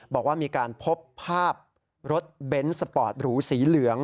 บอกว่ามีการพบภาพรถเบนท์สปอร์ตหรูสีเหลือง